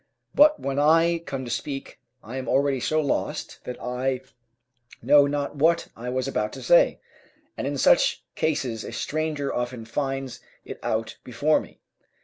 But when I come to speak, I am already so lost that I know not what I was about to say, and in such cases a stranger often finds it out before me.